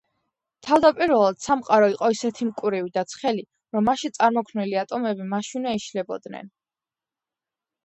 თავდაპირველად, სამყარო იყო ისეთი მკვრივი და ცხელი, რომ მასში წარმოქმნილი ატომები მაშინვე იშლებოდნენ.